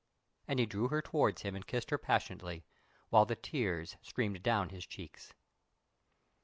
and he drew her towards him and kissed her passionately, while the tears streamed down his cheeks.